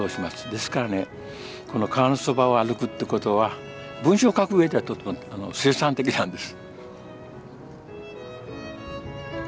ですからねこの川のそばを歩くっていうことは文章を書くうえではとっても生産的なんです。